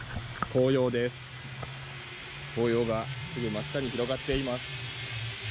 紅葉がすぐ真下に広がっています。